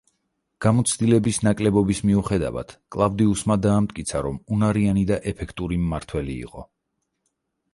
გამოცდილების ნაკლებობის მიუხედავად, კლავდიუსმა დაამტკიცა, რომ უნარიანი და ეფექტური მმართველი იყო.